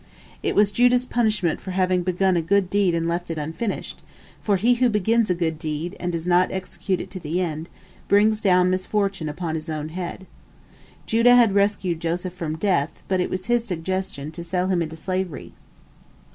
It was Judah's punishment for having begun a good deed and left it unfinished, for "he who begins a good deed, and does not execute it to the end, brings down misfortune upon his own head." Judah had rescued Joseph from death, but it was his suggestion to sell him into slavery.